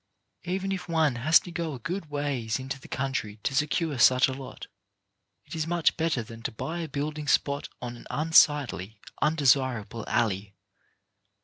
Even if one has to go a good ways into the country to secure such a lot, it is much better than to buy a building spot on an unsightly, undesirable alley.